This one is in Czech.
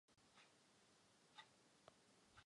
Schodek je nadále enormně vysoký.